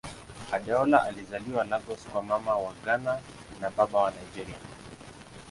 Adeola alizaliwa Lagos kwa Mama wa Ghana na Baba wa Nigeria.